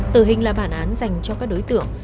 tử hình là bản án dành cho các đối tượng